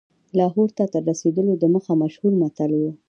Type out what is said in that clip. لاهور ته تر رسېدلو دمخه مشهور متل و.